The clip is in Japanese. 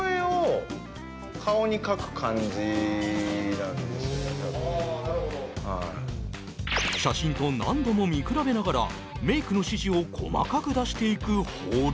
・なるほど・写真と何度も見比べながらメイクの指示を細かく出していくホリ。